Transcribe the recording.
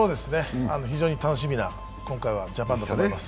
非常に楽しみな、今回はジャパンだと思います。